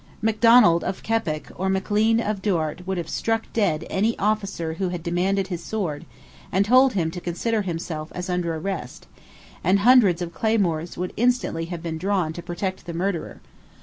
Macdonald of Keppoch or Maclean of Duart would have struck dead any officer who had demanded his sword, and told him to consider himself as under arrest; and hundreds of claymores would instantly have been drawn to protect the murderer.